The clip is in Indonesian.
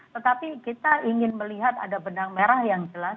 tetapi kita ingin melihat ada benang merah yang jelas